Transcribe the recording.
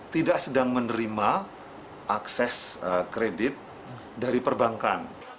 tidak sedang menerima akses kredit dari perbankan